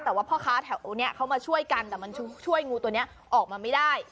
แต่ว่าพ่อค้าแถวนี้เขามาช่วยกันแต่มันช่วยงูตัวนี้ออกมาไม่ได้